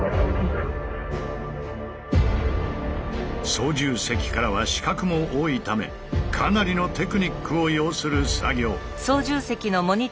操縦席からは死角も多いためかなりのテクニックを要する作業。